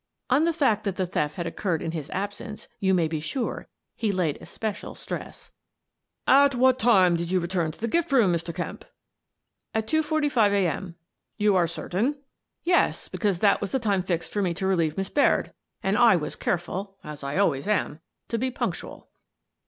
On the fact that the theft had oc curred in his absence you may be sure he laid es pecial stress. " At what time did you return to the gift room, Mr. Kemp?" " At two forty five a. m." "You are certain?" 170 Miss Frances Baird, Detective "Yes, because that was the time fixed for me to relieve Miss Baird, and I was careful, as I al ways am, to be punctual."